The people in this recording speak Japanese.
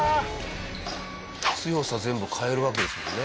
強さ全部変えるわけですもんね。